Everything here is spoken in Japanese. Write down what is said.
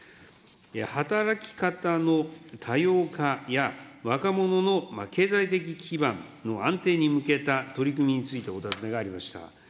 働き方の多様化や、若者の経済的基盤の安定に向けた取り組みについてお尋ねがありました。